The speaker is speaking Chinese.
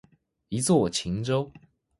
一作晴州。